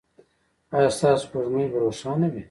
ایا ستاسو سپوږمۍ به روښانه وي؟